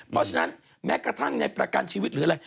เพราะฉะนั้นแม้กระทั่งในประกันชีวิตหรืออะไร